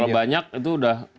kalau banyak itu udah